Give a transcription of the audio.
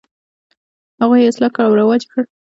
هغوی یې اصلاح کړه او رواج یې کړ.